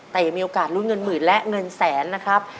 แต่ยังมีโอกาสลุ้นเงินหมื่นและเงินแสนนะครับ